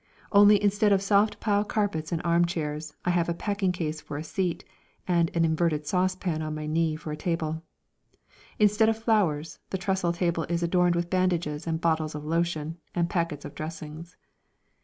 only instead of soft pile carpets and arm chairs I have a packing case for seat and an inverted saucepan on my knee for table. Instead of flowers, the trestled table is adorned with bandages and bottles of lotion and packets of dressings.